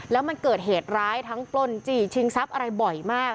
แล้วมันเกิดเหตุร้ายทั้งปล้นจี่ชิงทรัพย์อะไรบ่อยมาก